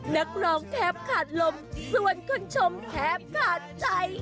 นักร้องแทบขาดลมส่วนคนชมแทบขาดใจ